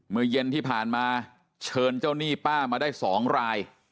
เมื่อเย็นที่ผ่านมาเชิญเจ้าหนี้ป้ามาได้๒ราย